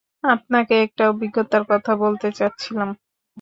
আপনাকে একটা অভিজ্ঞতার কথা বলতে চাচ্ছিলাম।